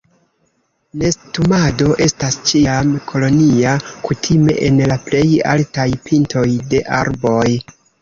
Nestumado estas ĉiam kolonia, kutime en la plej altaj pintoj de arboj.